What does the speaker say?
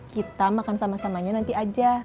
kita makan sama samanya nanti aja